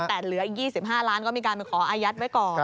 แต่เหลืออีก๒๕ล้านก็มีการไปขออายัดไว้ก่อน